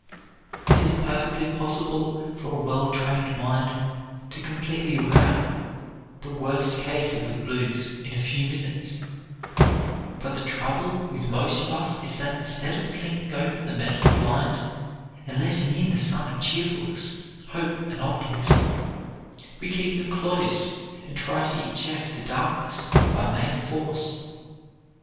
It is perfectly possible for a well trained mind to completely rout the worst case of the "blues" in a few minutes; but the trouble with most of us is that instead of flinging open the mental blinds and letting in the sun of cheerfulness, hope, and optimism, we keep them closed and try to eject the darkness by main force.